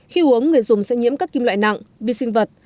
khi uống người dùng sẽ nhiễm các kim loại nặng vi sinh vật